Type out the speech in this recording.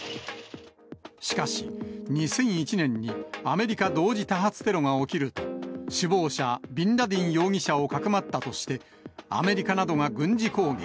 しかし、２００１年にアメリカ同時多発テロが起きると、首謀者、ビンラディン容疑者をかくまったとして、アメリカなどが軍事攻撃。